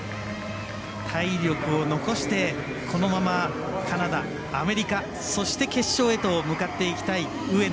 体力を残してこのままカナダ、アメリカそして、決勝へと向かっていきたい上野